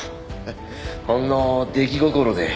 ほんの出来心で。